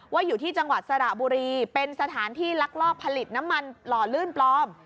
อยู่ที่จังหวัดสระบุรีเป็นสถานที่ลักลอบผลิตน้ำมันหล่อลื่นปลอม